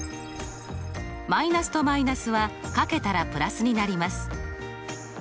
マイナスとマイナスは掛けたらプラスになります。